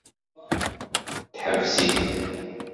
Teḥbes-it.